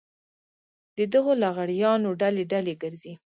د دغو لغړیانو ډلې ډلې ګرځي.